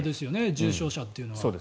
重症者というのは。